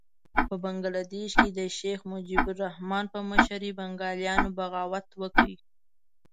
په بنګه دېش کې د شیخ مجیب الرحمن په مشرۍ بنګالیانو بغاوت وکړ.